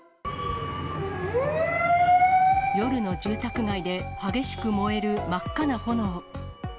夜の住宅街で激しく燃える真っ赤な炎。